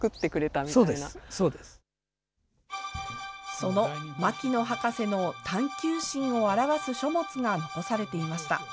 その牧野博士の探究心をあらわす書物が残されていました。